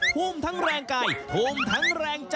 ภูมิทั้งแรงกายภูมิทั้งแรงใจ